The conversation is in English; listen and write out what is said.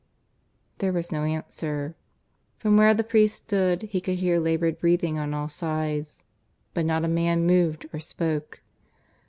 There was no answer. From where the priest stood he could hear laboured breathing on all sides, but not a man moved or spoke.